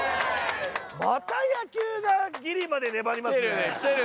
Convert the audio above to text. また野球がギリまで粘りますね。